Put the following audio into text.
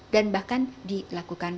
dan bahkan dilakukan